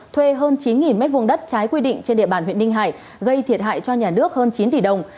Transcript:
thuê hơn chín m hai trái quy định trên địa bàn huyện ninh hải gây thiệt hại cho nhà nước hơn chín tỷ đồng